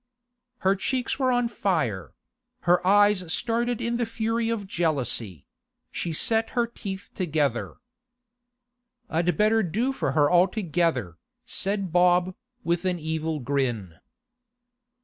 Her cheeks were on fire; her eyes started in the fury of jealousy; she set her teeth together. 'I'd better do for her altogether,' said Bob, with an evil grin.